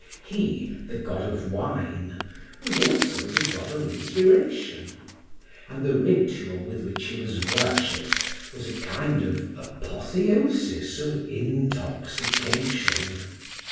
He, the god of wine, was also the god of inspiration; and the ritual with which he was worshipped was a kind of apotheosis of intoxication.